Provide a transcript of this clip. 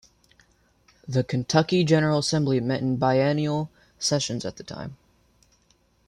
The Kentucky General Assembly met in biennial sessions at the time.